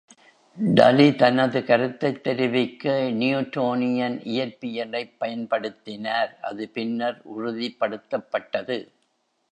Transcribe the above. Daly, தனது கருத்தைத் தெரிவிக்க Newtonian இயற்பியலைப் பயன்படுத்தினார், அது பின்னர் உறுதிப்படுத்தப்பட்டது.